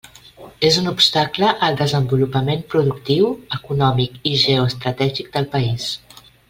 És un obstacle al desenvolupament productiu, econòmic i geoestratègic del país.